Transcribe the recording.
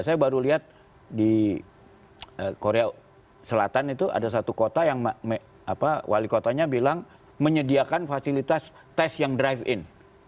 saya baru lihat di korea selatan itu ada satu kota yang wali kotanya bilang menyediakan fasilitas tes yang drive in